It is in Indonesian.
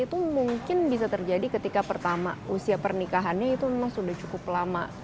itu mungkin bisa terjadi ketika pertama usia pernikahannya itu memang sudah cukup lama